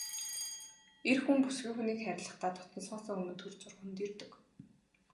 Эр хүн бүсгүй хүнийг хайрлахдаа дотносохоосоо өмнө түр зуур хөндийрдөг.